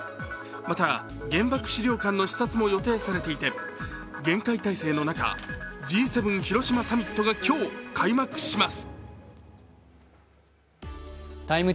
また原爆資料館の視察も予定されていて厳戒態勢の中、Ｇ７広島サミットが今日、開幕します。